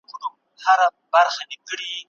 سوي دي د وخت خوشحالۍ